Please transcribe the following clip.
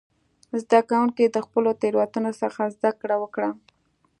زده کوونکو د خپلو تېروتنو څخه زده کړه وکړه.